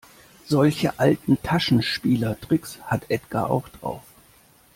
Solche alten Taschenspielertricks hat Edgar auch drauf.